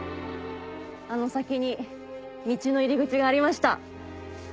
あの先に道の入り口がありました。